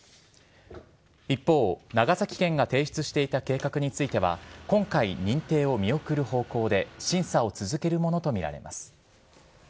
一方、長崎県が提出していた計画については今回、認定を見送る方向で審査を続けるものとみられます。